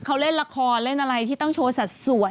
เขาเล่นละครเล่นอะไรที่ต้องโชว์สัดส่วน